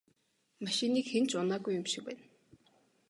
Машиныг хэн ч унаагүй юм шиг байна.